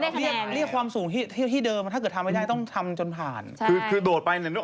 จากทั้งหมดเท่าไหร่ก็ไม่รู้